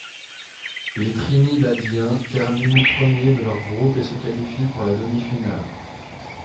Les trinidadiens terminent premier de leur groupe et se qualifient pour la demi-finale.